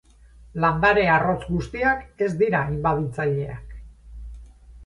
Landare arrotz guztiak ez dira inbaditzaileak.